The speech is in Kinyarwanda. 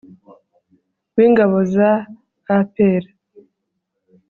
w ingabo za APR